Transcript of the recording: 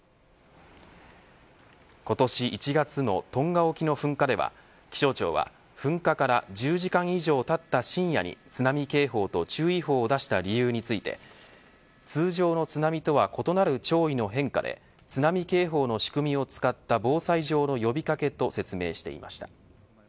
今年１月のトンガ沖の噴火では気象庁は、噴火から１０時間以上たった深夜に津波警報と注意報を出した理由について通常の津波とは異なる潮位の変化で津波警報の仕組みを使った防災上の呼び掛けと説明していました。